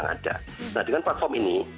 nah dengan platform ini